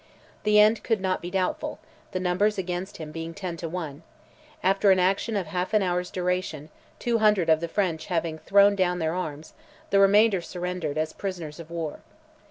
The end could not be doubtful, the numbers against him being ten to one; after an action of half an hour's duration, two hundred of the French having thrown down their arms, the remainder surrendered, as prisoners of war.